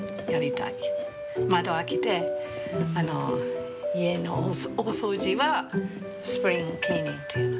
窓開けて家の大掃除はスプリング・クリーニングというの。